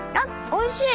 おいしい？